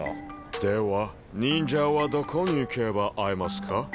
では忍者はどこに行けば会えますか？